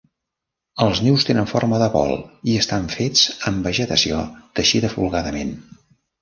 Els nius tenen forma de bol i estan fets amb vegetació teixida folgadament.